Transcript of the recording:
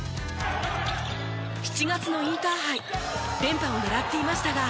７月のインターハイ連覇を狙っていましたが。